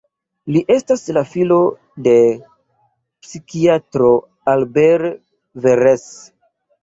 Li estas la filo de psikiatro Albert Veress.